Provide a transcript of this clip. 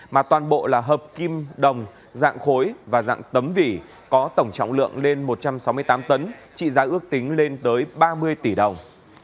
mà toàn bộ là hợp kim đồng dạng khối và dạng tấm vỉ có tổng trọng lượng lên một trăm sáu mươi tám tấn trị giá ước tính lên tới ba mươi tỷ đồng